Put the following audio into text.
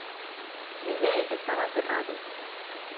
Nené estaba aterrado.